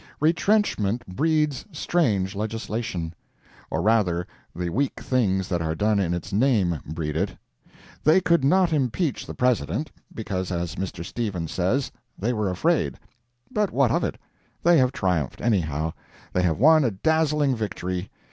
Retrenchment breeds strange legislation. Or rather, the weak things that are done in its name breed it. They could not impeach the President—because, as Mr. Stevens says—they were afraid. But what of it? They have triumphed anyhow. They have won a dazzling victory.